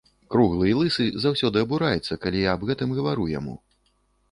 Круглы і лысы заўсёды абураецца, калі я аб гэтым гавару яму.